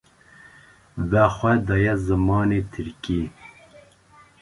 We xwe daye zimanê Tirkî